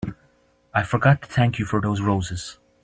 I forgot to thank you for those roses.